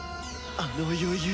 あの余裕！